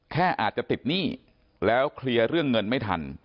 อาจจะติดหนี้แล้วเคลียร์เรื่องเงินไม่ทัน